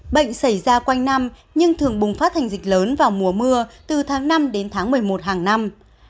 bệnh xảy ra quanh năm nhưng thường bùng phát thành dịch lớn vào mùa mưa từ tháng năm đến tháng một mươi một hàng năm